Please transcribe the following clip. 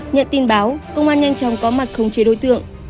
nhận tin báo công an nhanh chóng có mặt khống chế đối tượng